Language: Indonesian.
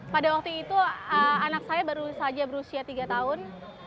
pada waktu itu anak saya baru saja berusia tiga tahun